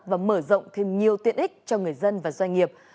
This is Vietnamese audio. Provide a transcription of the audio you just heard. và mở rộng thêm nhiều tiện ích cho người dân và doanh nghiệp